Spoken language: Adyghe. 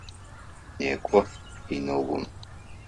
Некӏох киноум!